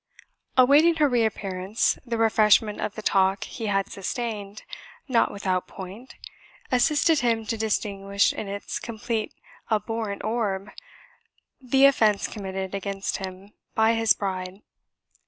Awaiting her reappearance, the refreshment of the talk he had sustained, not without point, assisted him to distinguish in its complete abhorrent orb the offence committed against him by his bride.